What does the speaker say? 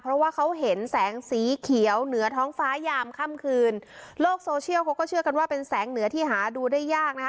เพราะว่าเขาเห็นแสงสีเขียวเหนือท้องฟ้ายามค่ำคืนโลกโซเชียลเขาก็เชื่อกันว่าเป็นแสงเหนือที่หาดูได้ยากนะคะ